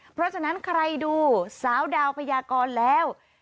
เพราะฉะนั้นใครดูสาวดาวพยากรแล้ว